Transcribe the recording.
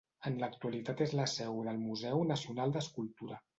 En l'actualitat és la seu del Museu Nacional d'Escultura.